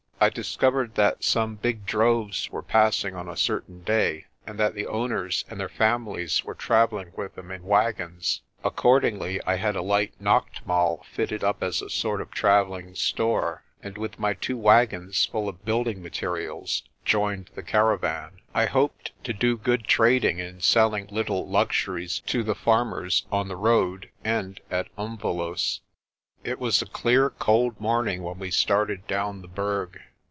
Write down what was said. I discovered that some big droves were passing on a certain day, and that the owners and their families were travelling with them in wagons. Accordingly I had a light naachtmaal fitted up as a sort of travelling store, and with my two wagons full of building material joined the caravan. I hoped to do good trade in selling little luxuries to the farmers on the road and at Umvelos'. It was a clear cold morning when we started down the Berg.